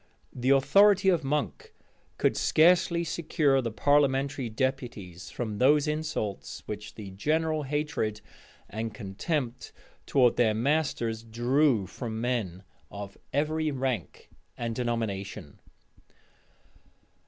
The authority of Monk could scarcely secure the parliamentary deputies from those insults which the general hatred and contempt towards their masters drew from men of every rank and denomination.